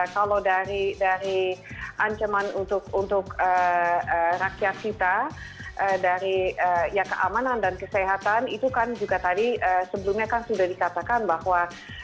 kalau dari ancaman untuk rakyat kita dari ya keamanan dan kesehatan itu kan juga tadi sebelumnya kan sudah dikatakan bahwa